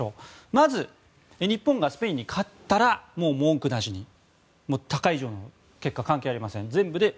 まず、日本がスペインに勝ったらもう文句なしに他会場の結果は関係ありません。